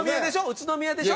宇都宮でしょ？